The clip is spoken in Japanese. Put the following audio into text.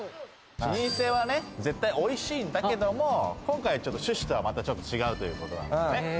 老舗は絶対おいしいんだけども、今回ちょっと趣旨とはまたちょっと違うということで。